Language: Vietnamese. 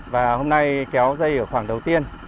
và hôm nay kéo dây ở khoảng đầu tiên